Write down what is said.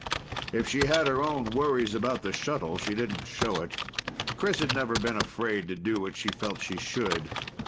If she had her own worries about the shuttle, she didn't show it. Chris had never been afraid to do what she felt she should.